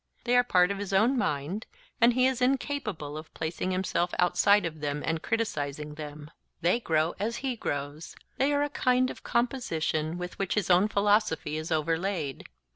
They are part of his own mind, and he is incapable of placing himself outside of them and criticizing them. They grow as he grows; they are a kind of composition with which his own philosophy is overlaid.